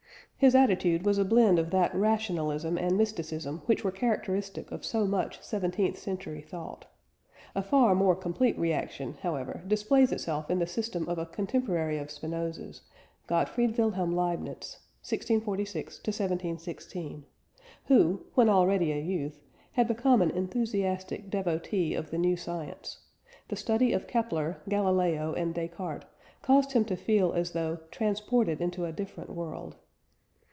His attitude was a blend of that rationalism and mysticism which were characteristic of so much seventeenth century thought. A far more complete reaction, however, displays itself in the system of a contemporary of Spinoza's Gottfried Wilhelm Leibniz (1646 1716); who, when already a youth, had become an enthusiastic devotee of the new science; the study of Kepler, Galileo and Descartes caused him to feel as though "transported into a different world."